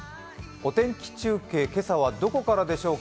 お天気中継、今朝はどこからでしょうか。